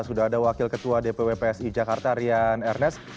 sudah ada wakil ketua dpw psi jakarta rian ernest